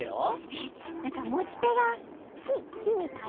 えっなんかもちてがききみたいな。